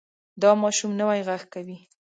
دا ماشوم نوی غږ کوي.